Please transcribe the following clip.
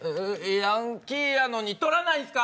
ヤンキーやのに取らないんですか？